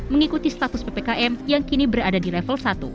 mengikuti status ppkm yang kini berada di level satu